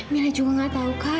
mila juga nggak tahu kak